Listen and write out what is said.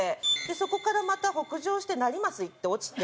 そこからまた北上して成増行って落ちて。